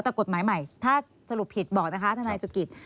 แต่กฎหมายใหม่ถ้าสรุปผิดบอกนะคะทนายสุกิต